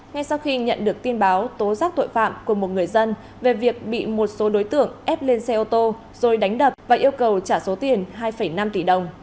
ngay sau khi nhận được tin báo tố giác tội phạm của một người dân về việc bị một số đối tượng ép lên xe ô tô rồi đánh đập và yêu cầu trả số tiền hai năm tỷ đồng